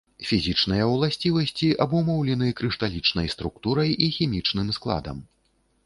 Фізічныя ўласцівасці абумоўлены крышталічнай структурай і хімічным складам.